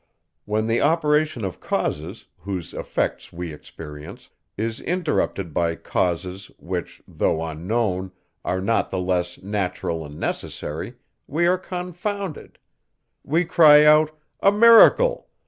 When the operation of causes, whose effects we experience, is interrupted by causes, which, though unknown, are not the less natural and necessary, we are confounded; we cry out, _a miracle!